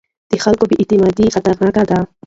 د خلکو بې اعتنايي خطرناکه ده